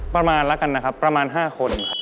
ประมาณแล้วกันนะครับประมาณ๕คน